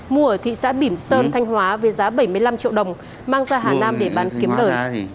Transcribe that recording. mua ở thị xã bỉm sơn thanh hóa với giá bảy mươi năm triệu đồng mang ra hà nam để bán kiếm lời